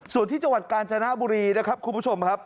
ส่วนที่จังหวัดกาญจนบุรีนะครับคุณผู้ชมครับ